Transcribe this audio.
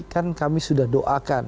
kan kami sudah doakan